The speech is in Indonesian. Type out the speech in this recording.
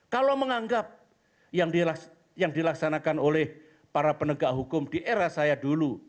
kalau menganggap yang dilaksanakan oleh para penegak hukum di era saya dulu